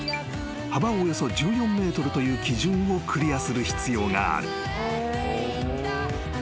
［幅およそ１４ｍという基準をクリアする必要がある］